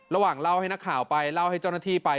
เล่าให้นักข่าวไปเล่าให้เจ้าหน้าที่ไป